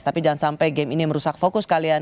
tapi jangan sampai game ini merusak fokus kalian